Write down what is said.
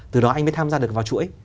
từ đó anh mới tham gia được vào chuỗi